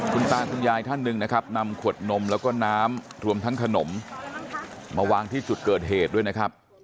คุณตาคุณยายท่านหนึ่งนะครับนำขวดนมแล้วก็น้ำรวมทั้งขนมมาวางที่จุดเกิดเหตุด้วยนะครับ